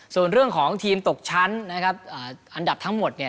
ส่วนเรื่องของทีมตกชั้นนะครับอันดับทั้งหมดเนี่ย